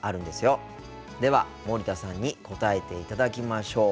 では森田さんに答えていただきましょう。